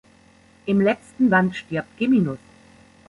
Im letzten Band stirbt Geminus.